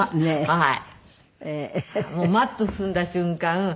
はい。